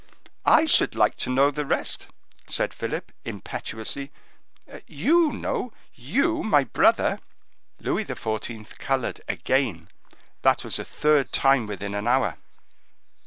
"I should like to know the rest," said Philip, impetuously. "You know,—you, my brother." Louis XIV. colored again. That was the third time within an hour.